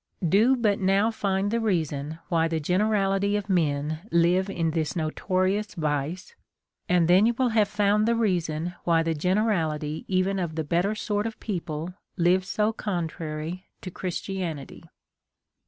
Do but now find the reason why the generality of men live in this notorious vice, and then you will have found the reason why the generality even of the bet ter sort of people live so contrary to Christianity.